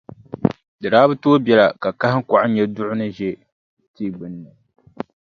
Di daa bi tooi biɛla ka kahiŋkɔɣu nya duɣu ni ʒe tia gbunni,